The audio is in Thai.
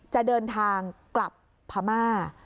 จะเดินทางกลับพม่า